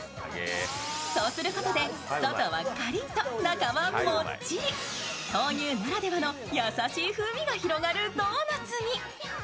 そうすることで外はカリッと中はもっちり、豆乳ならではの優しい風味が広がるドーナツに。